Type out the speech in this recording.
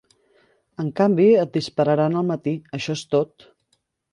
En canvi, et dispararan al matí, això és tot!